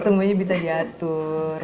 semuanya bisa diatur